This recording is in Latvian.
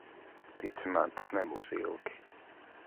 Tici man, tas nebūs ilgi.